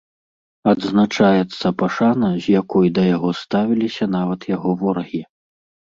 Адзначаецца пашана, з якой да яго ставіліся нават яго ворагі.